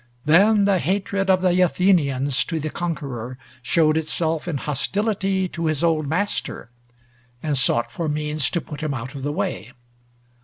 Then the hatred of the Athenians to the conqueror showed itself in hostility to his old master, and sought for means to put him out of the way.